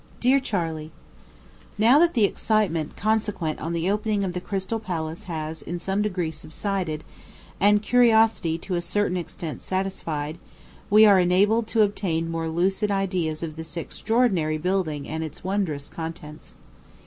DEAR CHARLEY: Now that the excitement consequent on the opening of the Crystal Palace has in some degree subsided and curiosity to a certain extent satisfied, we are enabled to obtain more lucid ideas of this extraordinary building and its wondrous contents.